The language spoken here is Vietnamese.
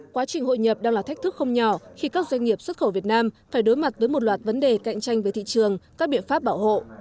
quá trình hội nhập đang là thách thức không nhỏ khi các doanh nghiệp xuất khẩu việt nam phải đối mặt với một loạt vấn đề cạnh tranh về thị trường các biện pháp bảo hộ